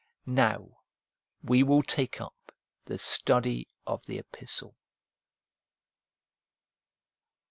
Now we will take up the study of the epistle.